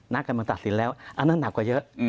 นักการเมืองตัดสินแล้วอันนั้นหนักกว่าเยอะ